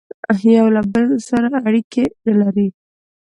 یوه له بل سره اړیکي نه لري